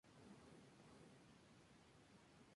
Aquí no terminaron sus problemas con la justicia.